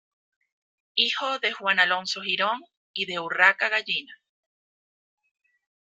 Hijo de Juan Alonso Girón y de Urraca Gallina.